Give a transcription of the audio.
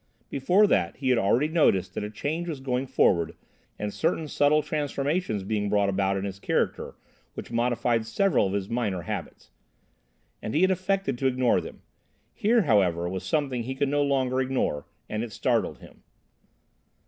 Before that he had already noticed that a change was going forward and certain subtle transformations being brought about in his character which modified several of his minor habits. And he had affected to ignore them. Here, however, was something he could no longer ignore; and it startled him.